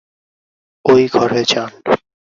ওই ঘরে যান।